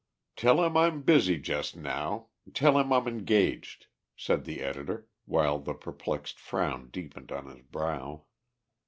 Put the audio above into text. "Tell him I'm busy just now tell him I'm engaged," said the editor, while the perplexed frown deepened on his brow.